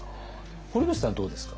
堀口さんどうですか？